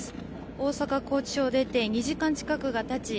大阪拘置所を出て２時間近くが経ち